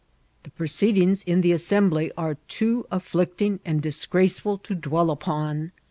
Hie proceedings in the Assembly are too afflict ing and disgraceful to dwell upon.